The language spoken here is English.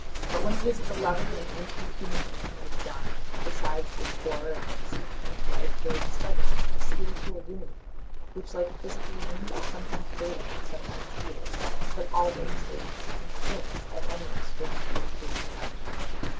But when it is a beloved and intimate human being that is dying, besides this horror at the extinction of life there is a severance, a spiritual wound, which like a physical wound is sometimes fatal and sometimes heals, but always aches and shrinks at any external irritating touch.